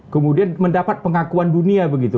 kemudian mendapat pengakuan dunia begitu